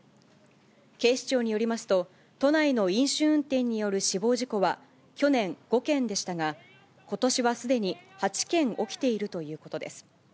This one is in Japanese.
警視庁によりますと、都内の飲酒運転による死亡事故は去年５件でしたが、ことしはすでに８件起きているということです。